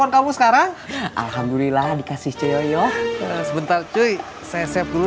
kenapa pak ustadz rw